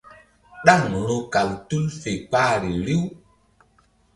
Ɗaŋ ru̧kal tul fe kpahri riw.